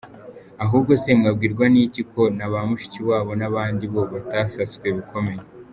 Ahubwo se mwabwirwa n’iki ko na ba Mushikiwabo n’abandi bo batasatswe bikomeye?